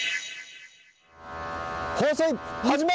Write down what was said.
放水始め！